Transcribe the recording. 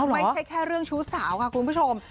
ไม่ใช่แค่เรื่องชู้สาวค่ะคุณผู้ชม